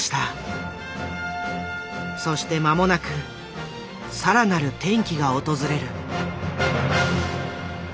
そして間もなく更なる転機が訪れる。